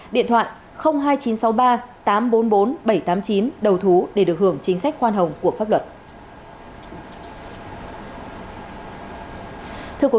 điện thoại hai nghìn chín trăm sáu mươi ba tám trăm bốn mươi bốn bảy trăm tám mươi chín đầu thú để được hưởng chính sách khoan hồng của pháp luật